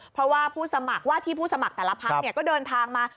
เพราะว่าผู้สมัครว่าที่ผู้สมัครแต่ละพักก็เดินทางมา